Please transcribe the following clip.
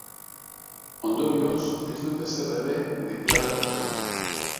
Ondorioz, ez dut ezer ere deklaratuko.